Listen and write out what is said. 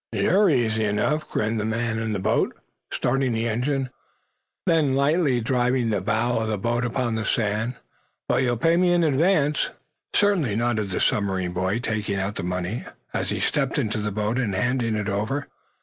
"You're easy enough," grinned the man in the boat, starting the engine, then lightly driving the bow of the boat upon the sand. "But you'll pay me in advance." "Certainly," nodded the submarine boy, taking out the money, as he stepped into the boat, and handing it over.